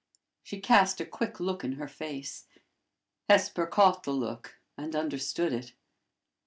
She cast a quick look in her face. Hesper caught the look, and understood it.